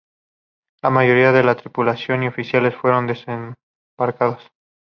La mayoría de la tripulación y oficiales fueron desembarcados.